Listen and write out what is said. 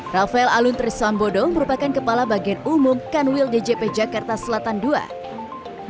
rafael alun trisambodo merupakan kepala bagian umum kanwil djp jakarta selatan ii